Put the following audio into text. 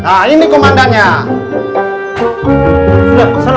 nah ini komandannya